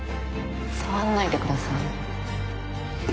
触んないでください